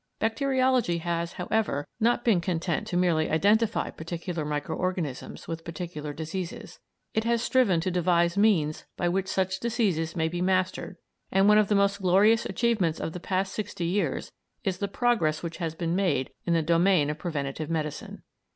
Bacteriology has, however, not been content to merely identify particular micro organisms with particular diseases, it has striven to devise means by which such diseases may be mastered, and one of the most glorious achievements of the past sixty years is the progress which has been made in the domain of preventive medicine.